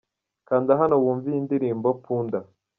Kanda hano wumve iyi ndirimbo 'Punda' .